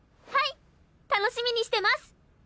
はい楽しみにしてます！